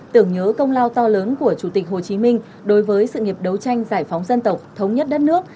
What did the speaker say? tưởng nhớ công lao to lớn của chủ tịch hồ chí minh đối với sự nghiệp đấu tranh giải phóng dân tộc thống nhất đất nước